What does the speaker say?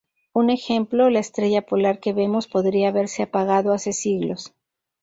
Un ejemplo, la Estrella Polar que vemos podría haberse apagado hace siglos.